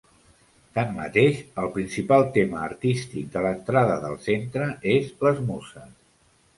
Tanmateix, el principal tema artístic de l'entrada del centre és "Les Muses".